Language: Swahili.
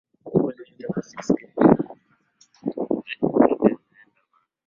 Baadae alibadilisha jina na kujiita profesa Jay kutokana na mashabiki kumfananisha na professa